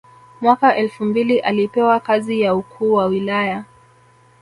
Mwaka elfu mbili alipewa kazi ya Ukuu wa Wilaya